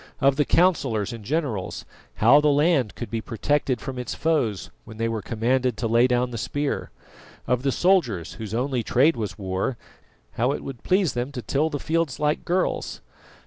Of the councillors and generals, how the land could be protected from its foes when they were commanded to lay down the spear? Of the soldiers, whose only trade was war, how it would please them to till the fields like girls?